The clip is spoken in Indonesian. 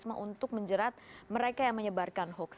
nanti setelah jeda kita bahas